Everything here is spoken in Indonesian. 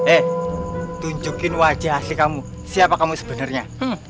eh tunjukin wajah asli kamu siapa kamu sebenarnya